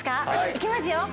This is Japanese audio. いきますよ。